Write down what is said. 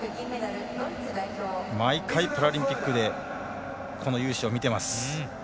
毎回パラリンピックでこの雄姿を見ています。